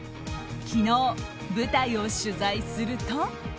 昨日、舞台を取材すると。